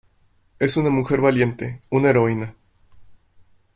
Es una mujer valiente, una heroína.